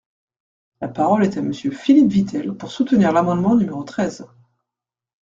La parole est à Monsieur Philippe Vitel, pour soutenir l’amendement numéro treize.